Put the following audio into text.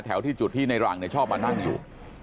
แถวที่จุดที่ในรังชอบมานั่งอยู่